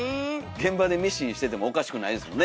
現場でミシンしててもおかしくないですもんね